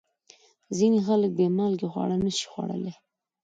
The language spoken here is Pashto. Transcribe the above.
ځینې خلک بې مالګې خواړه نشي خوړلی.